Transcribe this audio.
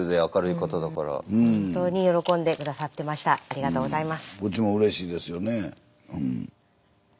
こっちもうれしいですよねうん。